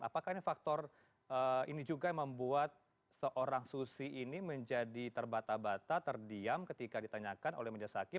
apakah ini faktor ini juga yang membuat seorang susi ini menjadi terbata bata terdiam ketika ditanyakan oleh majelis hakim